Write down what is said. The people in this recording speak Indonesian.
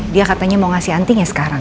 dia katanya mau ngasih antinya sekarang